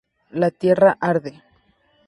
La Tierra arde.